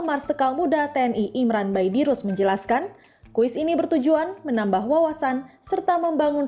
marsikal muda tni imran baidirus menjelaskan kuis ini bertujuan menambah wawasan serta membangun